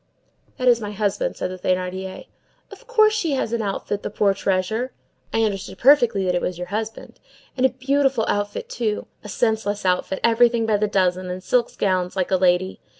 "That is my husband," said the Thénardier. "Of course she has an outfit, the poor treasure.—I understood perfectly that it was your husband.—And a beautiful outfit, too! a senseless outfit, everything by the dozen, and silk gowns like a lady.